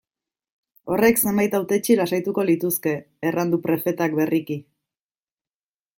Horrek zenbait hautetsi lasaituko lituzke, erran du prefetak berriki.